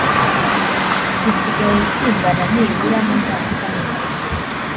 gisigaye kingana nibura n umwaka umwe